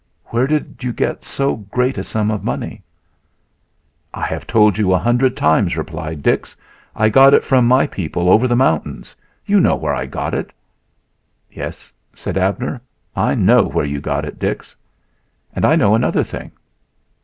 Where did you get so great a sum of money?" "I have told you a hundred times," replied Dix. "I got it from my people over the mountains. You know where I got it." "Yes," said Abner. "I know where you got it, Dix. And I know another thing.